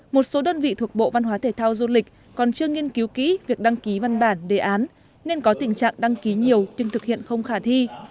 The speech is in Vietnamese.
một số đơn vị thuộc bộ văn hóa thể thao du lịch còn chưa nghiên cứu kỹ việc đăng ký văn bản đề án nên có tình trạng đăng ký nhiều nhưng thực hiện không khả thi